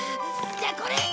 じゃあこれ！